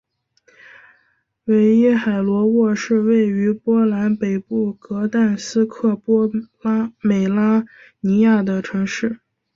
韦伊海罗沃是位于波兰北部格但斯克波美拉尼亚的城市。